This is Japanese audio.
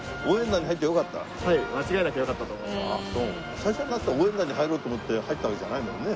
最初はだって応援団に入ろうと思って入ったわけじゃないもんね？